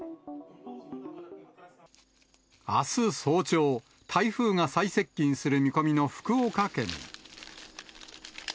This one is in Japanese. あす早朝、台風が最接近する見込みの福岡県。